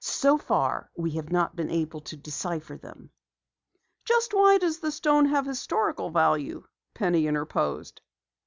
So far we have not been able to decipher them." "Just why does the stone have historical value?" Penny interposed.